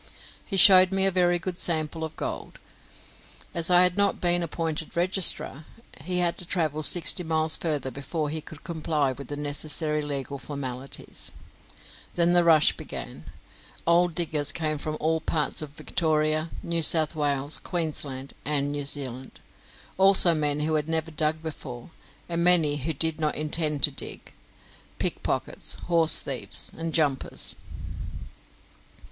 He showed me a very good sample of gold. As I had not then been appointed registrar, he had to travel sixty miles further before he could comply with the necessary legal formalities. Then the rush began. Old diggers came from all parts of Victoria, New South Wales, Queensland, and New Zealand; also men who had never dug before, and many who did not intend to dig pickpockets, horse thieves, and jumpers.